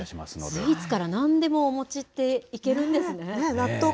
スイーツからなんでもお餅っていけるんですね。